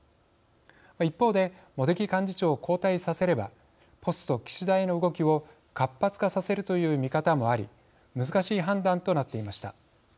一方で茂木幹事長を交代させればポスト岸田への動きを活発化させるという見方もあり難しい判断となっていました。